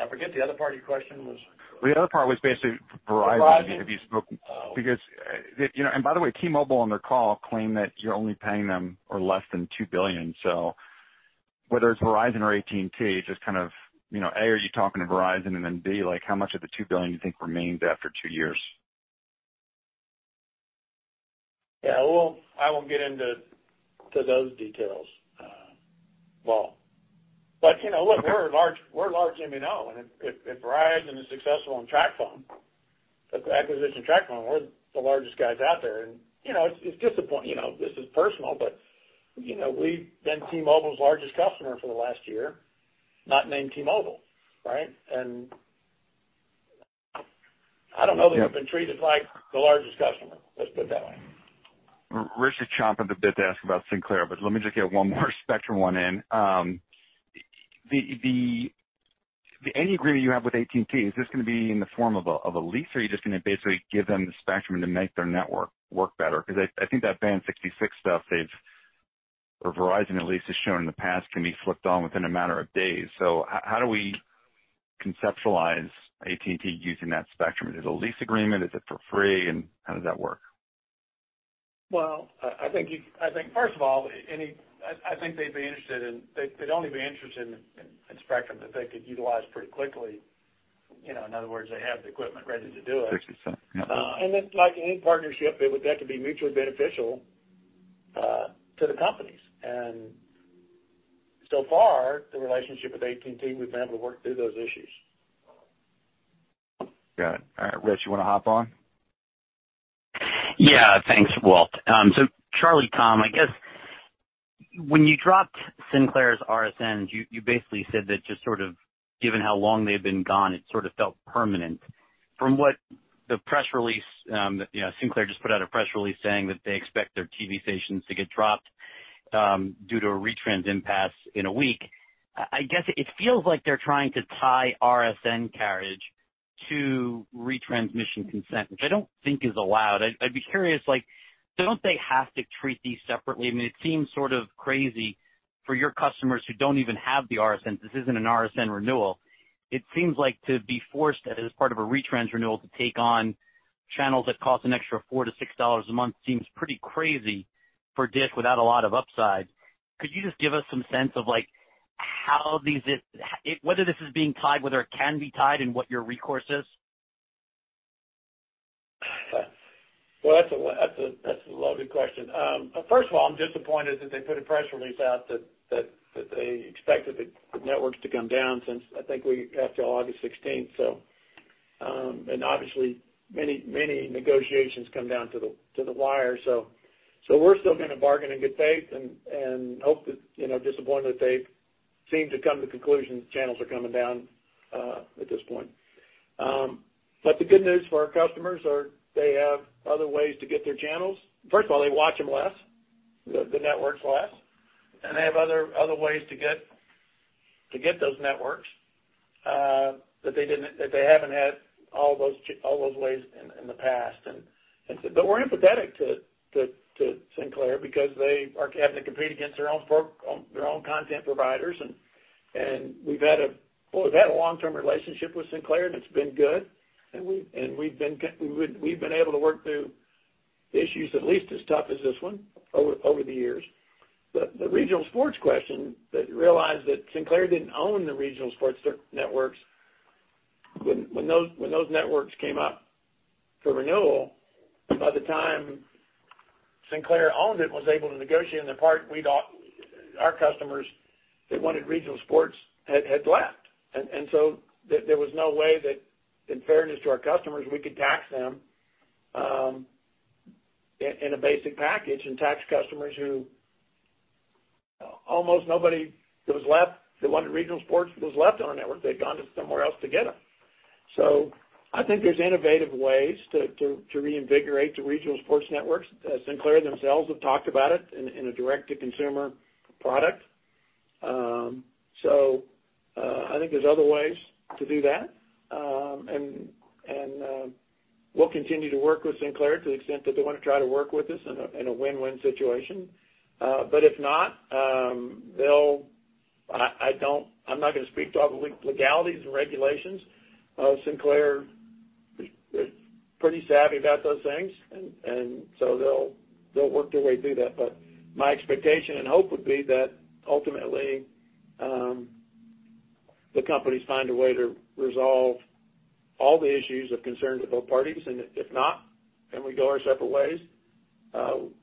I forget, the other part of your question was? The other part was basically Verizon. Verizon. By the way, T-Mobile on their call claimed that you're only paying them or less than $2 billion. Whether it's Verizon or AT&T, just kind of, A, are you talking to Verizon? B, how much of the $2 billion do you think remains after two years? Well, I won't get into those details, Walt. Look, we're large MVNO, and if Verizon is successful in TracFone, with the acquisition of TracFone, we're the largest guys out there. It's disappointing. This is personal, but we've been T-Mobile's largest customer for the last year, not named T-Mobile, right? I don't know that we've been treated like the largest customer, let's put it that way. Rich is chomping at the bit to ask about Sinclair. Let me just get one more Spectrum one in. Any agreement you have with AT&T, is this going to be in the form of a lease or are you just going to basically give them the spectrum to make their network work better? I think that band 66 stuff they've, or Verizon at least has shown in the past, can be flipped on within a matter of days. How do we conceptualize AT&T using that spectrum? Is it a lease agreement? Is it for free, and how does that work? Well, first of all, I think they'd only be interested in spectrum that they could utilize pretty quickly. In other words, they have the equipment ready to do it. 67, yeah. Like any partnership, that would have to be mutually beneficial to the companies. So far, the relationship with AT&T, we've been able to work through those issues. Got it. All right. Rich, you want to hop on? Yeah. Thanks, Walt. Charlie Tom, I guess when you dropped Sinclair's RSNs, you basically said that just sort of given how long they've been gone, it sort of felt permanent. From what the press release, Sinclair just put out a press release saying that they expect their TV stations to get dropped due to a retrans impasse in a week. I guess it feels like they're trying to tie RSN carriage to retransmission consent, which I don't think is allowed. I'd be curious, like, don't they have to treat these separately? I mean, it seems sort of crazy for your customers who don't even have the RSNs. This isn't an RSN renewal. It seems like to be forced as part of a retrans renewal to take on channels that cost an extra $4-$6 a month seems pretty crazy for DISH without a lot of upside. Could you just give us some sense of whether this is being tied, whether it can be tied, and what your recourse is? Well, that's a lovely question. First of all, I'm disappointed that they put a press release out that they expected the networks to come down since, I think after August 16th. Obviously, many negotiations come down to the wire. We're still going to bargain in good faith and hope that, disappointed that they seem to come to conclusion that channels are coming down, at this point. The good news for our customers are they have other ways to get their channels. First of all, they watch them less, the networks less, and they have other ways to get those networks, that they haven't had all those ways in the past. We're empathetic to Sinclair because they are having to compete against their own content providers, and we've had a long-term relationship with Sinclair, and it's been good. We've been able to work through issues at least as tough as this one over the years. The regional sports question that realized that Sinclair didn't own the regional sports networks when those networks came up for renewal, by the time Sinclair owned it and was able to negotiate on their part, our customers that wanted regional sports had left. There was no way that in fairness to our customers, we could tax them in a basic package and tax customers who almost nobody that was left that wanted regional sports was left on our network. They'd gone somewhere else to get them. I think there's innovative ways to reinvigorate the regional sports networks. Sinclair themselves have talked about it in a direct-to-consumer product. I think there's other ways to do that. We'll continue to work with Sinclair to the extent that they want to try to work with us in a win-win situation. If not, I'm not going to speak to all the legalities and regulations. Sinclair is pretty savvy about those things, and so they'll work their way through that. My expectation and hope would be that ultimately, the companies find a way to resolve all the issues of concern to both parties. If not, and we go our separate ways,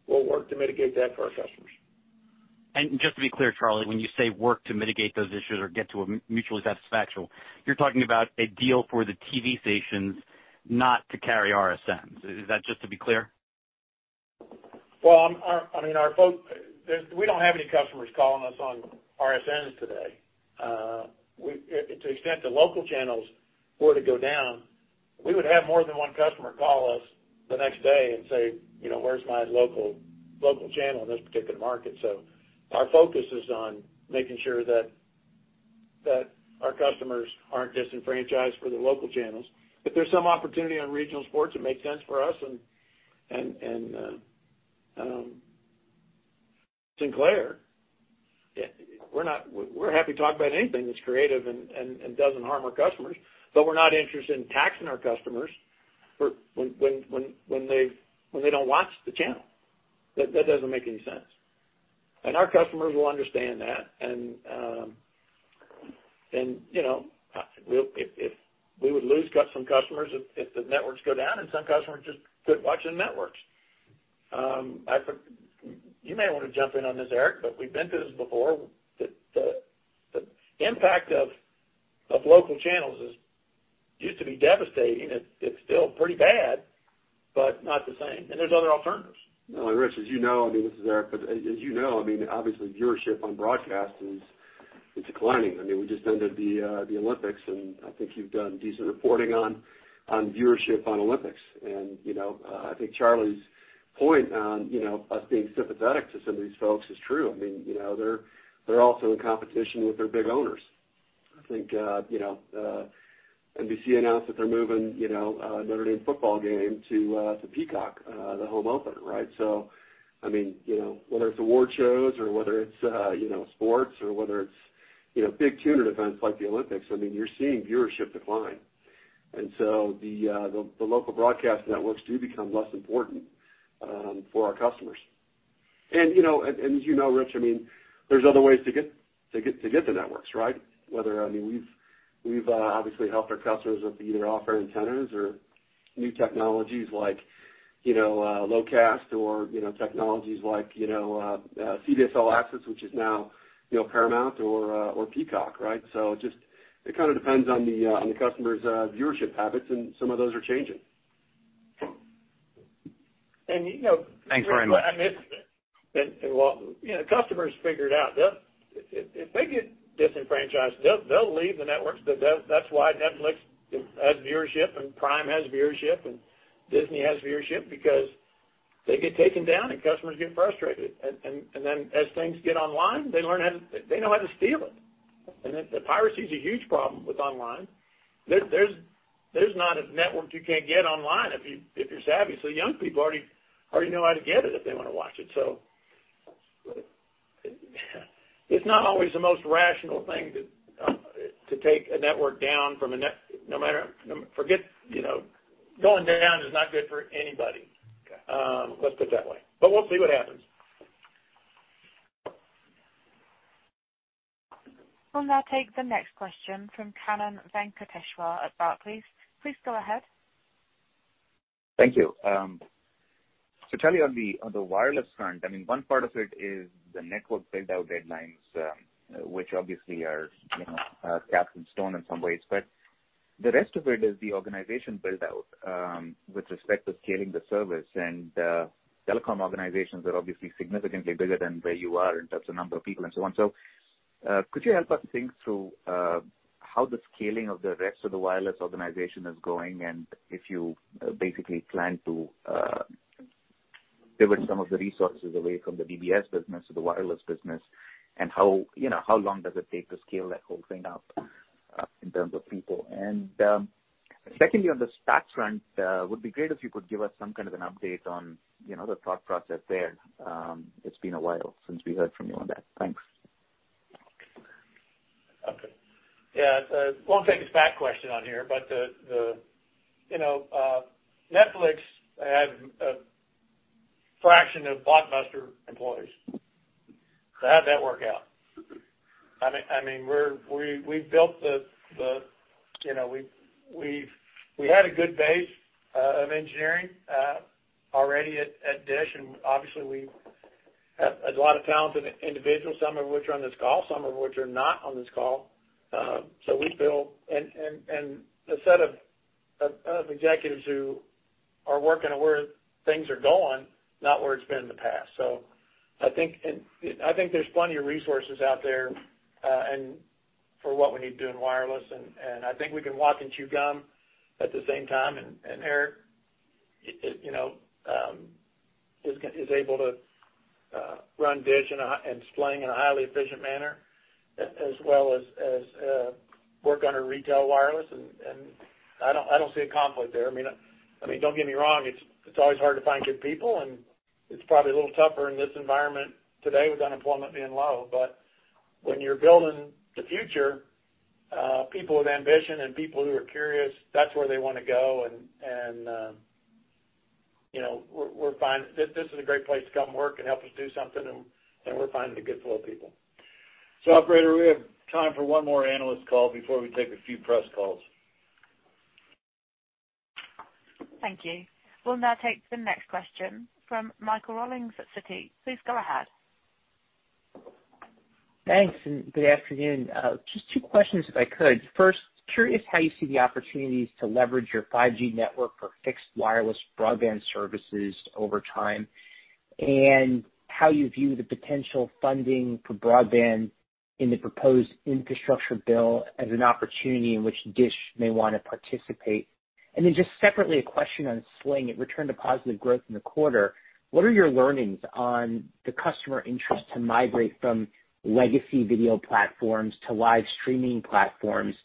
we'll work to mitigate that for our customers. Just to be clear, Charlie, when you say work to mitigate those issues or get to a mutually satisfactory, you're talking about a deal for the TV stations not to carry RSNs. Is that just to be clear? We don't have any customers calling us on RSNs today. To the extent the local channels were to go down, we would have more than 1 customer call us the next day and say, "Where's my local channel in this particular market?" Our focus is on making sure that our customers aren't disenfranchised for the local channels. If there's some opportunity on regional sports that make sense for us and Sinclair, we're happy to talk about anything that's creative and doesn't harm our customers. We're not interested in taxing our customers when they don't watch the channel. That doesn't make any sense. Our customers will understand that, and if we would lose some customers if the networks go down, and some customers just quit watching the networks. You may want to jump in on this, Erik, but we've been through this before. The impact of local channels used to be devastating. It's still pretty bad, but not the same. There's other alternatives. Rich, as you know, this is Erik, as you know, obviously viewership on broadcast is declining. We just ended the Olympics. I think you've done decent reporting on viewership on Olympics. I think Charlie's point on us being sympathetic to some of these folks is true. They're also in competition with their big owners. I think NBC announced that they're moving Notre Dame football game to Peacock, the home opener, right? Whether it's award shows or whether it's sports or whether it's big tuner events like the Olympics, you're seeing viewership decline. The local broadcast networks do become less important for our customers. As you know, Rich, there's other ways to get the networks, right? We've obviously helped our customers with either off-air antennas or new technologies like Locast or technologies like CBS All Access, which is now Paramount+ or Peacock, right? It kind of depends on the customer's viewership habits, and some of those are changing. And, you know- Thanks very much. customers figure it out. If they get disenfranchised, they'll leave the networks. That's why Netflix has viewership and Prime has viewership, and Disney has viewership because they get taken down and customers get frustrated. As things get online, they know how to steal it. The piracy is a huge problem with online. There's not a network you can't get online if you're savvy. Young people already know how to get it if they want to watch it. It's not always the most rational thing to take a network down, going down is not good for anybody. Okay. Let's put it that way. We'll see what happens. We'll now take the next question from Kannan Venkateshwar at Barclays. Please go ahead. Thank you. Charlie, on the wireless front, one part of it is the network build-out deadlines, which obviously are cast in stone in some ways, but the rest of it is the organization build-out, with respect to scaling the service. Telecom organizations are obviously significantly bigger than where you are in terms of number of people and so on. Could you help us think through how the scaling of the rest of the wireless organization is going, and if you basically plan to pivot some of the resources away from the DBS business to the wireless business, and how long does it take to scale that whole thing up in terms of people? Secondly on the SAT front, would be great if you could give us some kind of an update on the thought process there. It's been a while since we heard from you on that. Thanks. Okay. Yeah. Won't take a SAT question on here. Netflix had a fraction of Blockbuster employees. How'd that work out? We had a good base of engineering already at DISH, and obviously we have a lot of talented individuals, some of which are on this call, some of which are not on this call. We built a set of executives who are working on where things are going, not where it's been in the past. I think there's plenty of resources out there, and for what we need to do in wireless. I think we can walk and chew gum at the same time. Erik is able to run DISH and Sling in a highly efficient manner, as well as work on our retail wireless. I don't see a conflict there. Don't get me wrong, it's always hard to find good people. It's probably a little tougher in this environment today with unemployment being low. When you're building the future, people with ambition and people who are curious, that's where they want to go. This is a great place to come work and help us do something, and we're finding a good flow of people. Operator, we have time for one more analyst call before we take a few press calls. Thank you. We'll now take the next question from Michael Rollins at Citi. Please go ahead. Thanks, good afternoon. Just two questions, if I could. First, curious how you see the opportunities to leverage your 5G network for fixed wireless broadband services over time, and how you view the potential funding for broadband in the proposed infrastructure bill as an opportunity in which DISH may want to participate. Just separately, a question on Sling. It returned to positive growth in the quarter. What are your learnings on the customer interest to migrate from legacy video platforms to live streaming platforms?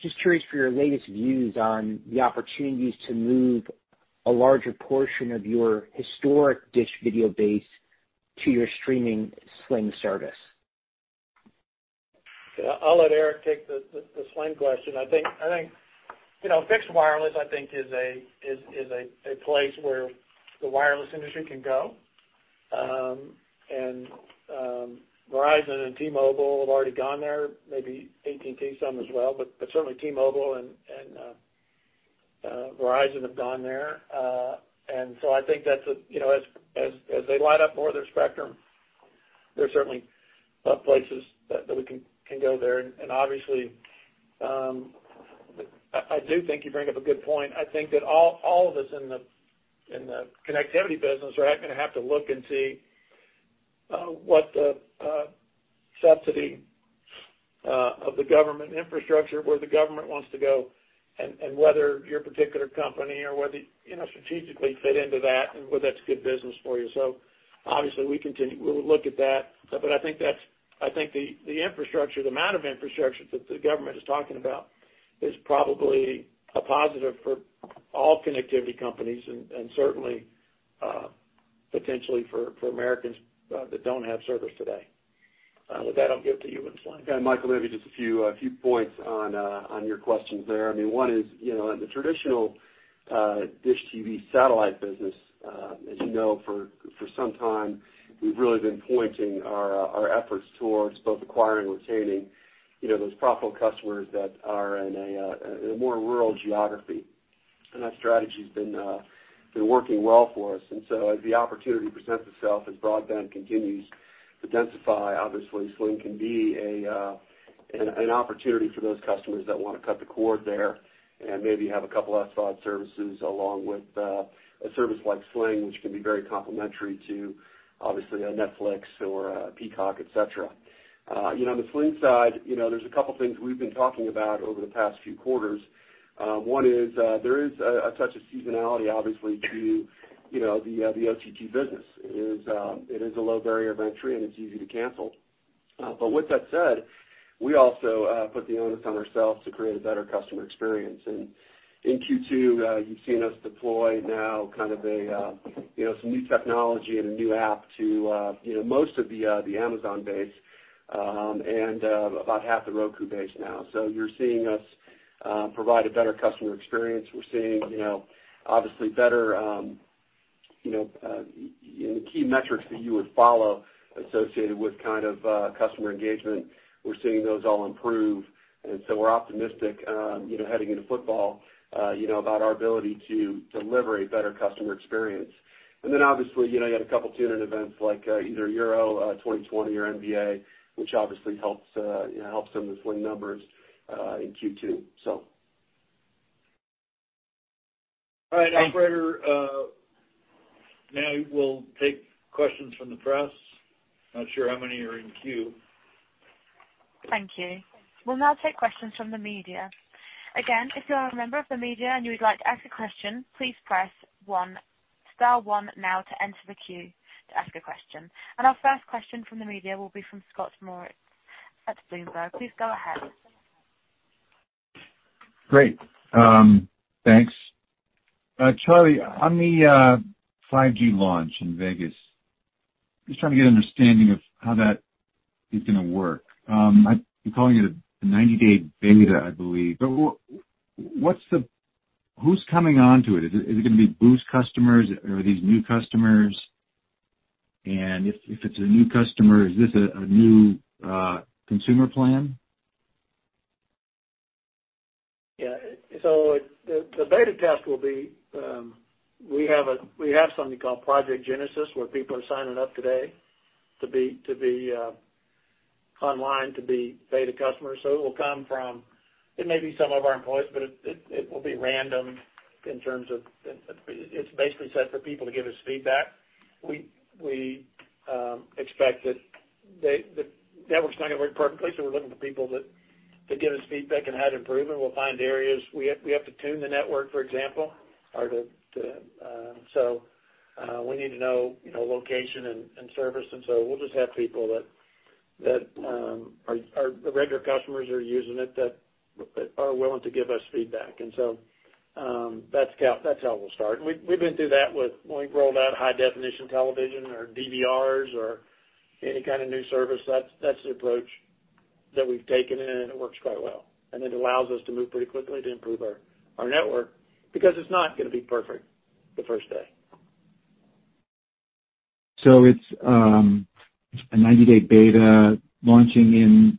Just curious for your latest views on the opportunities to move a larger portion of your historic DISH video base to your streaming Sling service. I'll let Erik take the Sling question. I think fixed wireless is a place where the wireless industry can go. Verizon and T-Mobile have already gone there, maybe AT&T some as well. Certainly T-Mobile and Verizon have gone there. I think as they light up more of their spectrum, there's certainly places that we can go there. Obviously, I do think you bring up a good point. I think that all of us in the connectivity business are going to have to look and see what the subsidy of the government infrastructure, where the government wants to go, and whether your particular company strategically fit into that and whether that's good business for you. Obviously, we'll look at that. I think the amount of infrastructure that the government is talking about is probably a positive for all connectivity companies and certainly, potentially for Americans that don't have service today. With that, I'll give it to you and Sling. Yeah, Michael, maybe just a few points on your questions there. One is, in the traditional DISH TV satellite business, as you know, for some time, we've really been pointing our efforts towards both acquiring and retaining those profitable customers that are in a more rural geography. That strategy's been working well for us. As the opportunity presents itself, as broadband continues to densify, obviously Sling can be an opportunity for those customers that want to cut the cord there and maybe have a couple of spot services along with a service like Sling, which can be very complementary to, obviously a Netflix or a Peacock, et cetera. On the Sling side, there's a couple of things we've been talking about over the past few quarters. One is, there is a touch of seasonality, obviously, to the OTT business. It is a low barrier of entry, and it's easy to cancel. With that said, we also put the onus on ourselves to create a better customer experience. In Q2, you've seen us deploy now some new technology and a new app to most of the Amazon base and about half the Roku base now. You're seeing us provide a better customer experience. We're seeing, obviously, better in the key metrics that you would follow associated with customer engagement. We're seeing those all improve, and so we're optimistic, heading into football, about our ability to deliver a better customer experience. Obviously, you had a couple of tune-in events like either Euro 2020 or NBA, which obviously helps some of the Sling numbers in Q2. All right, operator, now we'll take questions from the press. Not sure how many are in queue. Thank you. We'll now take questions from the media. Again, if you are a member of the media and you would like to ask a question, please press star one now to enter the queue to ask a question. Our first question from the media will be from Scott Moritz at Bloomberg. Please go ahead. Great. Thanks. Charlie, on the 5G launch in Vegas, just trying to get an understanding of how that is going to work. You're calling it a 90-day beta, I believe. Who's coming onto it? Is it going to be Boost customers? Are these new customers? If it's a new customer, is this a new consumer plan? The beta test will be, we have something called Project Genesis, where people are signing up today to be online to be beta customers. It will come from, it may be some of our employees, but it will be random. It's basically set for people to give us feedback. The network's not going to work perfectly, we're looking for people that give us feedback on how to improve, we'll find areas. We have to tune the network, for example. We need to know location and service, we'll just have people that are the regular customers that are using it that are willing to give us feedback. That's how we'll start. We've been through that when we've rolled out high-definition television or DVRs or any kind of new service. That's the approach that we've taken, and it works quite well. It allows us to move pretty quickly to improve our network because it's not going to be perfect the first day. It's a 90-day beta launching in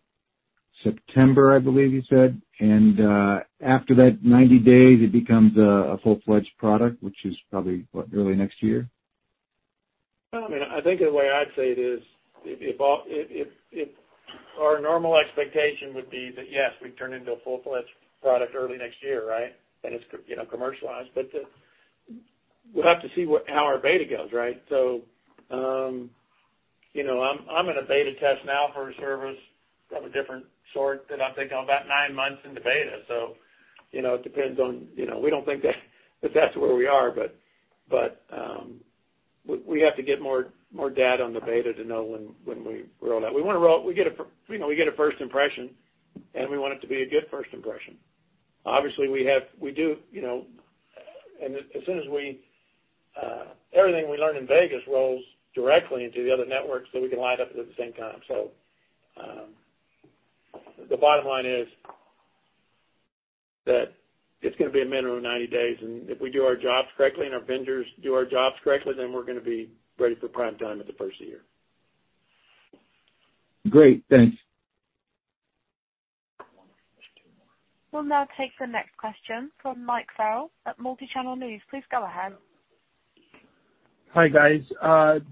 September, I believe you said. After that 90 days, it becomes a full-fledged product, which is probably, what, early next year? I think the way I'd say it is, our normal expectation would be that, yes, we turn into a full-fledged product early next year, right, and it's commercialized. We'll have to see how our beta goes, right? I'm in a beta test now for a service of a different sort that I think I'm about nine months into beta. We don't think that that's where we are, but we have to get more data on the beta to know when we roll out. We get a first impression, and we want it to be a good first impression. Obviously, we do. As soon as we Everything we learn in Vegas rolls directly into the other networks, so we can light up at the same time. The bottom line is that it's going to be a minimum of 90 days, and if we do our jobs correctly and our vendors do our jobs correctly, then we're going to be ready for prime time at the first of the year. Great. Thanks. We'll now take the next question from Mike Farrell at Multichannel News. Please go ahead. Hi, guys.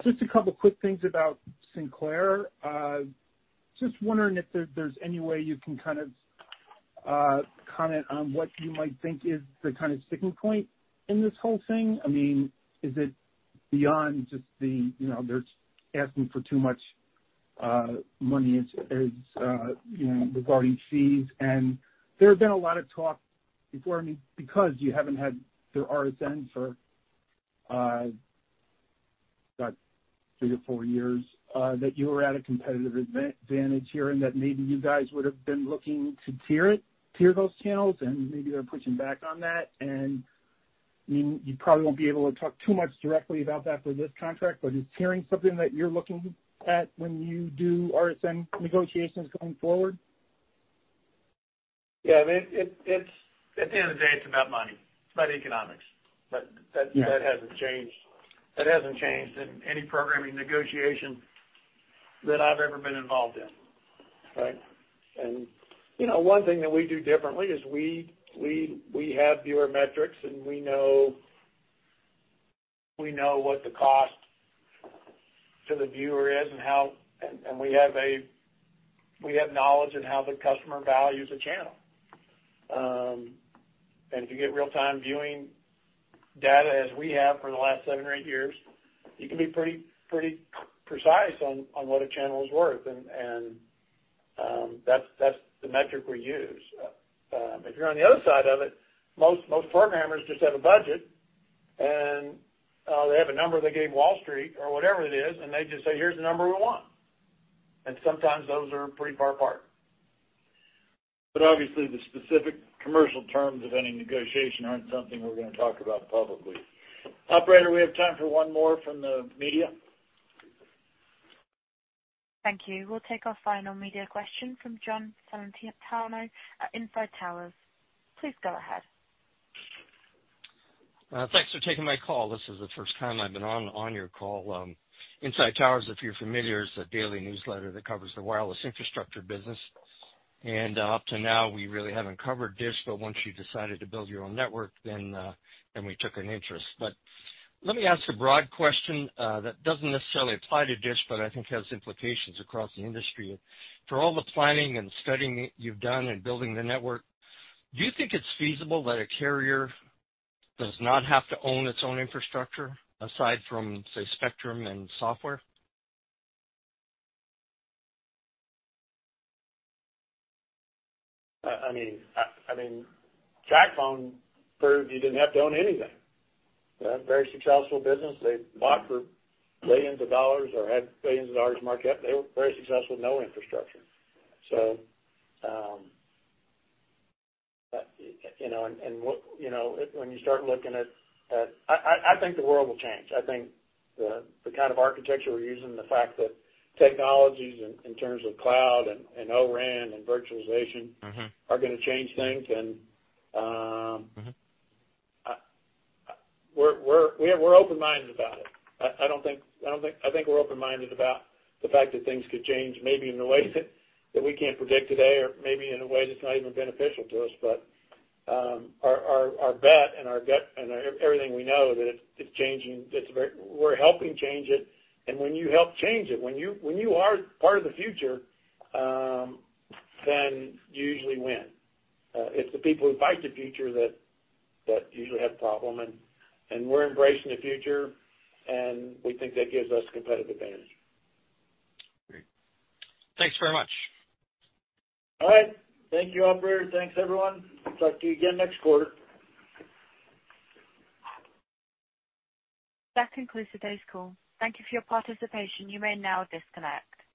Just a couple quick things about Sinclair. Just wondering if there's any way you can comment on what you might think is the sticking point in this whole thing. Is it beyond just they're asking for too much money regarding fees? There had been a lot of talk before, because you haven't had their RSN for three or four years, that you were at a competitive advantage here and that maybe you guys would've been looking to tier those channels, and maybe they're pushing back on that. You probably won't be able to talk too much directly about that for this contract, but is tiering something that you're looking at when you do RSN negotiations going forward? Yeah. At the end of the day, it's about money. It's about economics. Yeah. That hasn't changed. That hasn't changed in any programming negotiation that I've ever been involved in. Right? One thing that we do differently is we have viewer metrics, and we know what the cost to the viewer is and we have knowledge in how the customer values a channel. If you get real-time viewing data as we have for the last seven or eight years, you can be pretty precise on what a channel is worth. That's the metric we use. If you're on the other side of it, most programmers just have a budget, and they have a number they gave Wall Street or whatever it is, and they just say, "Here's the number we want." Sometimes those are pretty far apart. Obviously the specific commercial terms of any negotiation aren't something we're going to talk about publicly. Operator, we have time for one more from the media. Thank you. We'll take our final media question from John Celentano at Inside Towers. Please go ahead. Thanks for taking my call. This is the first time I've been on your call. Inside Towers, if you're familiar, is a daily newsletter that covers the wireless infrastructure business. Up to now, we really haven't covered DISH, but once you decided to build your own network, then we took an interest. Let me ask a broad question that doesn't necessarily apply to DISH, but I think has implications across the industry. For all the planning and studying that you've done in building the network, do you think it's feasible that a carrier does not have to own its own infrastructure aside from, say, spectrum and software? TracFone proved you didn't have to own anything. Right? Very successful business. They bought for billions of dollars or had billions of dollars market cap. They were very successful with no infrastructure. When you start looking at I think the world will change. I think the kind of architecture we're using, the fact that technologies in terms of cloud and O-RAN and virtualization are going to change things. We're open-minded about it. I think we're open-minded about the fact that things could change maybe in a way that we can't predict today or maybe in a way that's not even beneficial to us. Our bet and our gut and everything we know that it's changing. We're helping change it, and when you help change it, when you are part of the future, then you usually win. It's the people who fight the future that usually have the problem. We're embracing the future, and we think that gives us competitive advantage. Great. Thanks very much. All right. Thank you, operator. Thanks, everyone. Talk to you again next quarter. That concludes today's call. Thank you for your participation. You may now disconnect.